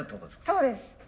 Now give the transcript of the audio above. そうです。